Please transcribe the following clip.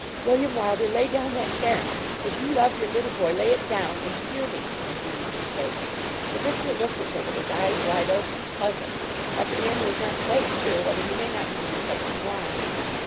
'William Wylder, lay down that pen; as you love your little boy, lay it down, and hear me,' continued Miss Lake. The vicar looked at her with his eyes wide open, puzzled, like a man who is not quite sure whether he may not be doing something wrong.